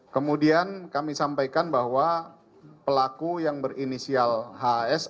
kemudian kami sampaikan bahwa pelaku yang berinisial hs